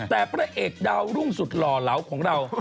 แต่พระเอกดาวรุ่งสุดหล่อเหลาของเรา